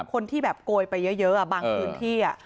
คนที่แบบโกยไปเยอะบางพื้นที่